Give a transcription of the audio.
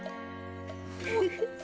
フフフ。